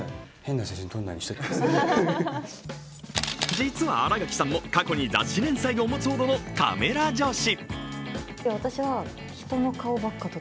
実は新垣さんも過去に雑誌連載を持つほどのカメラ女子。